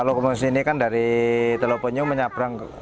kalau ke sini kan dari teloponyo menyabrang